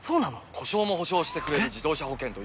故障も補償してくれる自動車保険といえば？